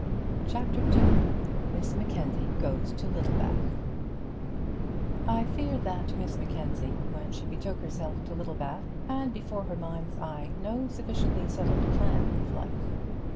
CHAPTER II Miss Mackenzie Goes to Littlebath I fear that Miss Mackenzie, when she betook herself to Littlebath, had before her mind's eye no sufficiently settled plan of life.